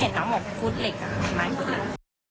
เห็นน้ำหมกฟุตเหล็กไม้ฟุตเหล็ก